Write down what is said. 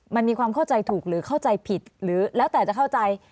มันมีความเข้าใจถูกหรือเข้าใจผิดหรือแล้วแต่จะเข้าใจ